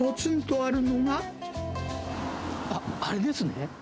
あっ、あれですね。